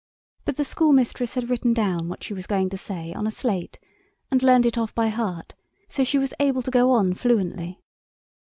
But the schoolmistress had written down what she was going to say on a slate and learned it off by heart, so she was able to go on fluently.